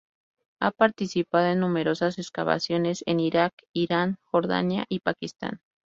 Ha participado en numerosas excavaciones en Irak, Irán, Jordania y Pakistán.